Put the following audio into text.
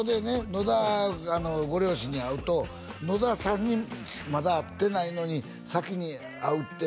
野田ご両親に会うと「野田さんにまだ会ってないのに先に会うって」